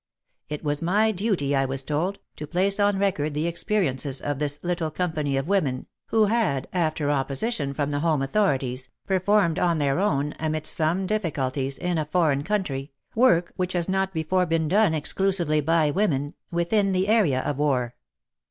It was my duty, I was told, to place on record the experiences of this little company of women, who had, after opposition from the xii PROEM Home authorities, performed on their own, amidst some difficulties, in a foreign country, work which has not before been done exclusively by women — within the area of war.